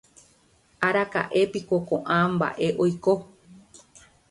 araka’épiko ko’ã mba’e oiko